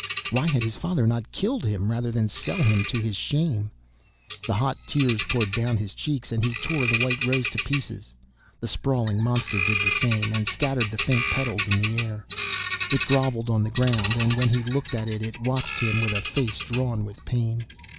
Why had his father not killed him, rather than sell him to his shame? The hot tears poured down his cheeks, and he tore the white rose to pieces. The sprawling monster did the same, and scattered the faint petals in the air. It grovelled on the ground, and, when he looked at it, it watched him with a face drawn with pain.